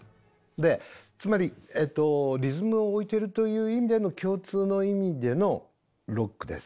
でつまりリズムを置いているという意味での共通の意味でのロックです。